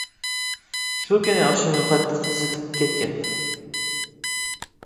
شۇ كۈنى ئاخشىمى قاتتىق قىزىتىپ كەتكەن.